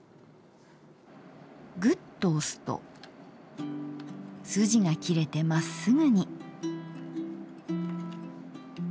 グッと押すとスジが切れてまっすぐに。